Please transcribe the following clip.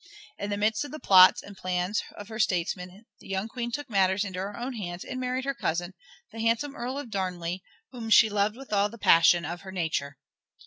In the midst of the plots and plans of her statesmen the young Queen took matters into her own hands and married her cousin, the handsome Earl of Darnley, whom she loved with all the passion of her nature.